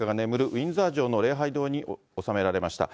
ウィンザー城の礼拝堂に納められました。